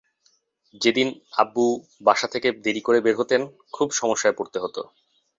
যেদিন আব্বু বাসা থেকে দেরি করে বের হতেন খুব সমস্যায় পড়তে হতো।